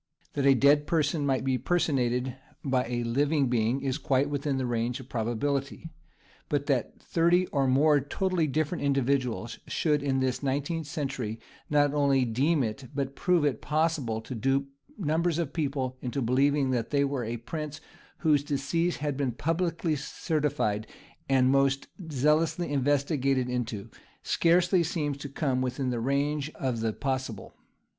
That a dead person might be personated by a living being is quite within the range of probability, but that thirty or more totally different individuals should in this nineteenth century not only deem it, but prove it, possible to dupe numbers of people into believing that they were a prince whose decease had been publicly certified and most zealously investigated into, scarcely seems to come within the range of the possible.